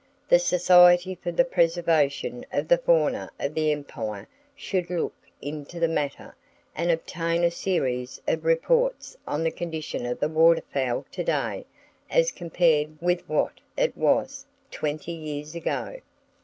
The Society for the Preservation of the Fauna of the Empire should look into the matter, and obtain a series of reports on the condition of the waterfowl to day as compared with what it was twenty years ago.